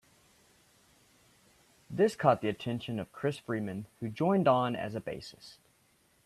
This caught the attention of Chris Freeman, who joined on as a bassist.